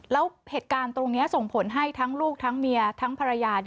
แล้วเหตุการณ์ตรงนี้ส่งผลให้ทั้งลูกทั้งเมียทั้งภรรยา